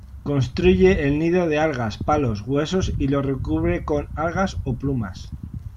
Construye el nido de algas, palos, huesos y lo recubre con algas o plumas.